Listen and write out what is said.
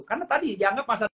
karena tadi dianggap masa dulu